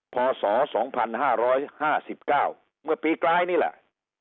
พศ๒๕๕๙เมื่อปีกลายนี่แหละ